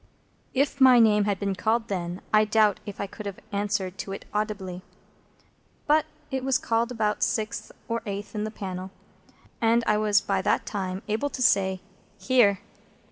If my name had been called then, I doubt if I could have answered to it audibly. But it was called about sixth or eighth in the panel, and I was by that time able to say, "Here!"